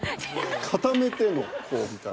固めてのこうみたいな。